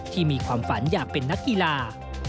มีความฝันอยากเป็นนักกีฬา